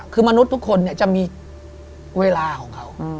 คือมนุษย์ทุกคนจะมีเวลาของเขา